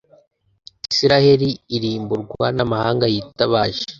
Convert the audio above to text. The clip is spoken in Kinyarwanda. Israheli irimburwa n’amahanga yitabaje